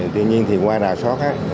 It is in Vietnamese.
tuy nhiên qua đào sót